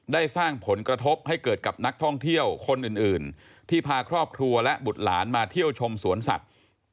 ได้สร้างผลกระทบให้เกิดกับนักท่องเที่ยวคนอื่นที่พาครอบครัวและบุตรหลานมาเที่ยวชมสวนสัตว์